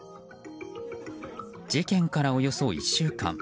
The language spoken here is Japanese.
事件から、およそ１週間。